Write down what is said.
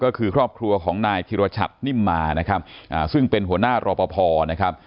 ก็คือครอบครัวของนายธิรชัตนิ่มมานะครับซึ่งเป็นหัวหน้ารอปภนะครับ